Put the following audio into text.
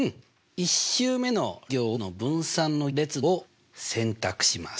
１週目の行の分散の列を選択します。